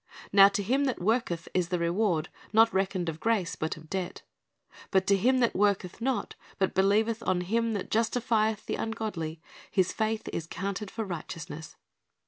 Now to him that worketh is the reward not reckoned of grace, but of debt. But to him that worketh not, but believeth on Him that justificth the ungodly, his faith is counted for righteousness."'